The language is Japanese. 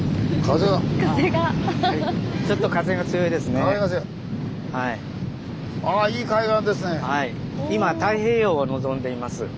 今太平洋を望んでいます。